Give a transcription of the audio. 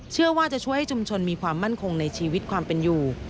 เชื่อว่าจะช่วยให้ชุมชนมีความมั่นคงในชีวิตความเป็นอยู่